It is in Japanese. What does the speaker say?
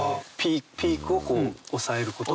ピークを抑えることができる。